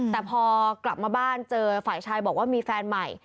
แต่พอกลับมาบ้านเจอฝ่ายชายบอกว่ามีแฟนใหม่